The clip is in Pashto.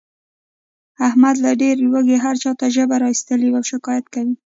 احمد له ډېر لوږې هر چاته ژبه را ایستلې وي او شکایت کوي.